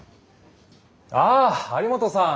ああ有本さん。